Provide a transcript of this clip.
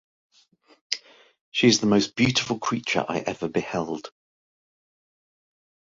She is the most beautiful creature I ever beheld!